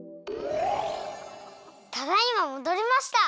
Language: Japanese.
ただいまもどりました。